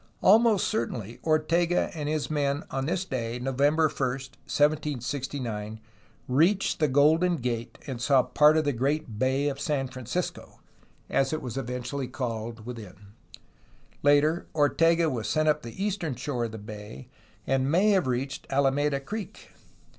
Almost certainly Ortega and his men on this day, November 1, 1769, reached the Golden Gate and saw part of the great Bay of San Francisco, as it was eventually called, within. Later, Ortega was sent up the eastern shore of the bay, and may have reached Alameda Creek.